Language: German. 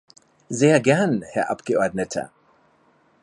Sehr gern, Herr Abgeordneter.